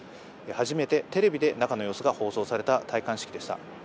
初めてテレビで中の様子が放送された戴冠式でした。